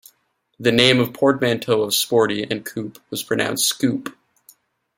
The name, a portmanteau of "sporty" and "coupe," was pronounced "scoop".